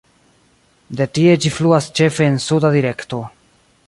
De tie ĝi fluas ĉefe en suda direkto.